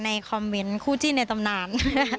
ในคลัมเมนตร์คู่จีนในตำนาน